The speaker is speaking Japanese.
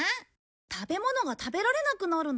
食べ物が食べられなくなるの？